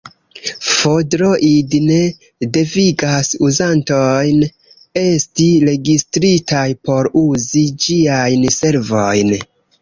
F-Droid ne devigas uzantojn esti registritaj por uzi ĝiajn servojn.